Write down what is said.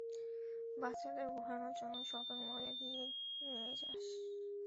বাচ্চাদের ঘুরানোর জন্য শপিং মলে নিয়ে যাস।